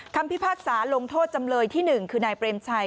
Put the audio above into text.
พิพากษาลงโทษจำเลยที่๑คือนายเปรมชัย